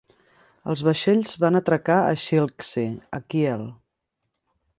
Els vaixells van atracar a Schilksee, a Kiel.